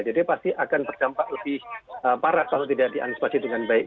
jadi pasti akan berdampak lebih parah kalau tidak dianisipasi dengan baik